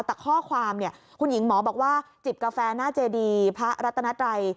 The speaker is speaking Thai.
แต่ข้อความเนี่ยคุณหญิงหมอบอกว่าจิบกาแฟหน้าเจดีพระรัตนัตรัย